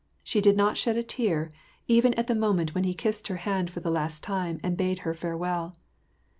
She did not shed a tear : even at the moment when he kissed her hand for the last time, and bade her farewell.